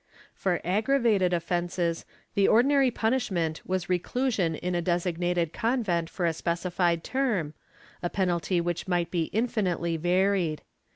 For aggravated offences, the ordinary punishment was reclusion in a designated convent for a specified term, a penalty which might be infinitely varied.